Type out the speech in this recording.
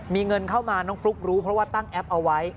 มีเงินเข้ามาน้องฟลุ๊กรู้เพราะว่าตั้งแอปเอาไว้